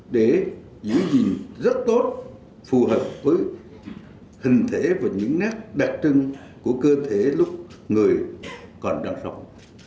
để giữ gìn rất tốt phù hợp với hình thể và những nét đặc trưng của cơ thể lúc người còn đang sống